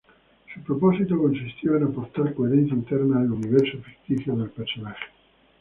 Su propósito consistió en aportar coherencia interna al universo ficticio del personaje.